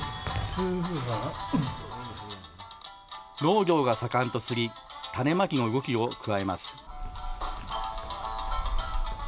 農業が盛んと知り、種まきの動きを加えます。